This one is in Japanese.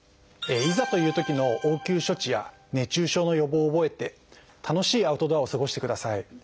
いざというときの応急処置や熱中症の予防を覚えて楽しいアウトドアを過ごしてください。